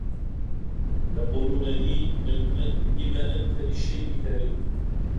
يقولون لي لم أنت للشيب كاره